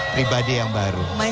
pribadi yang baru